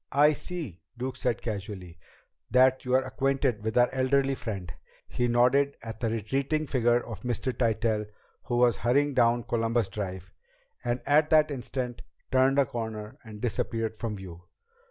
"I see," Duke said casually, "that you are acquainted with our elderly friend." He nodded at the retreating figure of Mr. Tytell who was hurrying down Columbus Drive, and at that instant, turned a corner and disappeared from view.